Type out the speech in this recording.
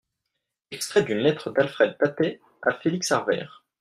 Extrait d'une lettre d'Alfred Tattet à Félix Arvers.